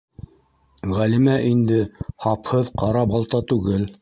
Ғәлимә инде һапһыҙ ҡара балта түгел.